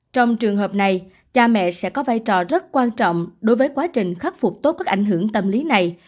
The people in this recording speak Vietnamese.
trong trường hợp này cha mẹ sẽ có vai trò rất quan trọng đối với quá trình khắc phục tốt các ảnh hưởng tâm lý này